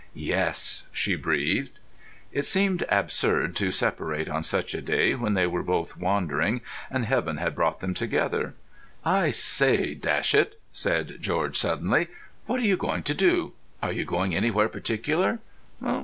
"Yes," she breathed. It seemed absurd to separate on such a day when they were both wandering, and Heaven had brought them together. "I say, dash it," said George suddenly: "what are you going to do? Are you going anywhere particular?"